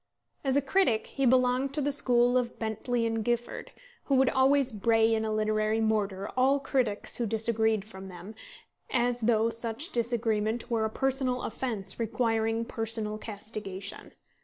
As a critic, he belonged to the school of Bentley and Gifford, who would always bray in a literary mortar all critics who disagreed from them, as though such disagreement were a personal offence requiring personal castigation.